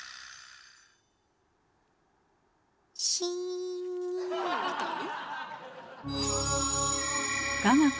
シーンみたいな？